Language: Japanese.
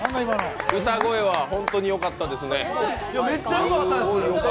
歌声は本当によかったですね。